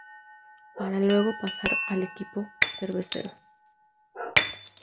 Para luego pasar al equipo "Cervecero".